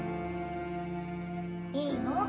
いいの？